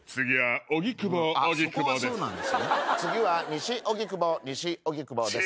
次は西荻窪西荻窪です。